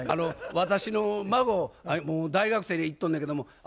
私の孫大学生で行っとんのやけども。